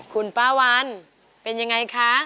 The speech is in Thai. คุณป้าวันเป็นยังไงคะ